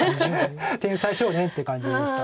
天才少年っていう感じでした。